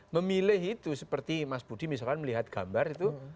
memilih itu seperti mas budi misalkan melihat gambar itu